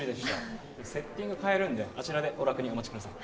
セッティング替えるんであちらでお楽にお待ちください。